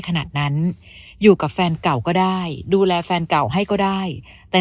ขนาดนั้นอยู่กับแฟนเก่าก็ได้ดูแลแฟนเก่าให้ก็ได้แต่